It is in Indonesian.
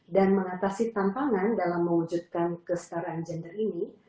dan mengatasi tantangan dalam mewujudkan kesetaraan gender ini